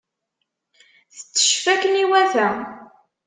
Tetteccef akken iwata.